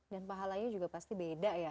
dan pahalanya juga pasti beda ya